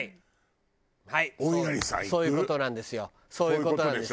そういう事なんですよ。